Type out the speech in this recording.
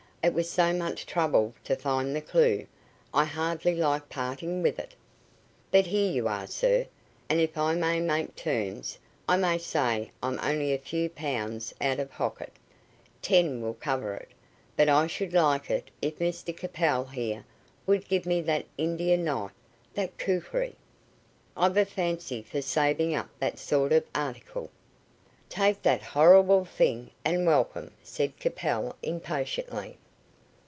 It was so much trouble to find the clue, I hardly like parting with it. But here you are, sir, and if I may make terms, I may say I'm only a few pounds out of pocket ten will cover it but I should like it if Mr Capel here would give me that Indian knife, that kukri. I've a fancy for saving up that sort of article." "Take the horrible thing and welcome," said Capel impatiently.